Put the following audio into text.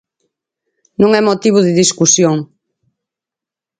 Non é motivo de discusión.